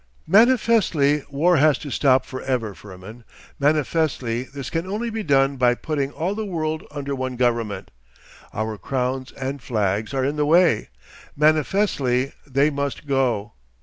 'Manifestly war has to stop for ever, Firmin. Manifestly this can only be done by putting all the world under one government. Our crowns and flags are in the way. Manifestly they must go.